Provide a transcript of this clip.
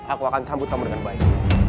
aku akan sambut kamu dengan baik